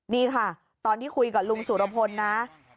นี่ค่ะตอนที่คุยกับลุงสุรพลนะ